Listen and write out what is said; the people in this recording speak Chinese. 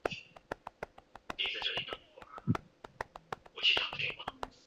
有球迷认为梁振邦与香港歌手张敬轩和台湾歌手李圣杰相像。